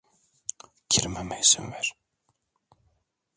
Girmeme izin ver.